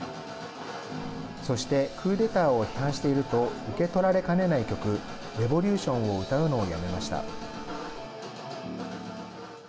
そしてクーデターを批判していると受け取られかねない曲レボリューションを歌うのをやめました。